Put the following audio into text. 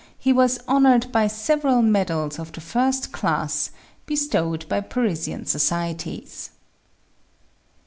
he was honored by several medals of the first class, bestowed by Parisian societies.